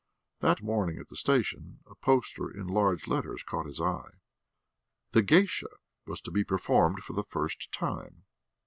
That morning at the station a poster in large letters had caught his eye. "The Geisha" was to be performed for the first time.